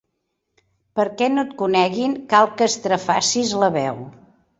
Perquè no et coneguin, cal que estrafacis la veu.